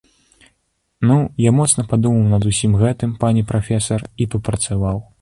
Ну, я моцна падумаў над усім гэтым, пане прафесар, і папрацаваў.